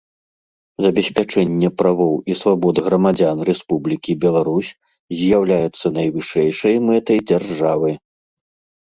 Забеспячэнне правоў і свабод грамадзян Рэспублікі Беларусь з’яўляецца найвышэйшай мэтай дзяржавы.